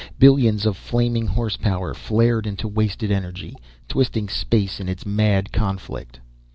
Billions of flaming horse power flared into wasted energy, twisting space in its mad conflict.